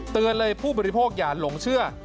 เตือนเลยผู้บริโภคอย่าหลงเชื่อ